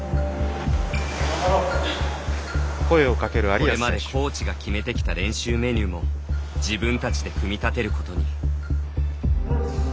これまでコーチが決めてきた練習メニューも自分たちで組み立てることに。